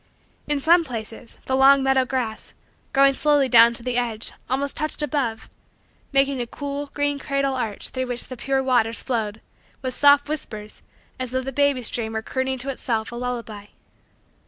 In some places, the long meadow grass, growing close down to the edge, almost touched above, making a cool, green, cradle arch through which the pure waters flowed with soft whispers as though the baby stream were crooning to itself a lullaby.